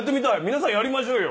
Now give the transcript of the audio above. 皆さんやりましょうよ。